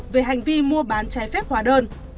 về hành vi mua bán trái phép hóa đơn